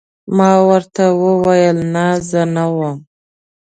ما ورته وویل: نه، زه نه وم.